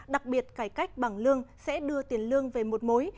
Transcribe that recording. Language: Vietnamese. đặc biệt cải cách bảng lương sẽ đưa tiền lương về một mối